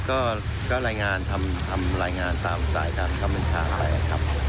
ก็เรายงานทำหน้ายงานตามสายการประวัติชาติครับ